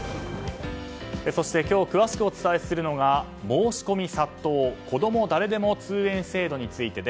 そして今日詳しくお伝えするのが申し込み殺到こども誰でも通園制度について。